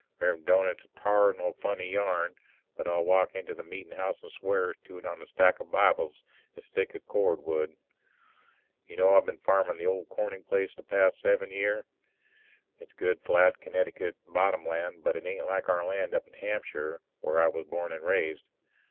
Rev'rend Doane, it's a tarnal funny yarn but I'll walk into the meetin' house and swear to it on a stack o'Bibles as thick as a cord of wood. You know I've been farming the old Corning place these past seven year? It's good flat Connecticut bottom land, but it isn't like our land up in Hampshire where I was born and raised.